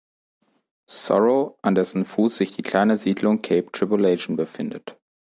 Sorrow, an dessen Fuß sich die kleine Siedlung Cape Tribulation befindet.